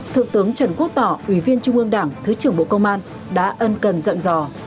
thượng tướng trần quốc tỏ ủy viên trung ương đảng thứ trưởng bộ công an đã ân cần dận dò